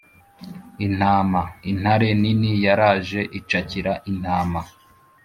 Intama intare nini yaraje icakira intama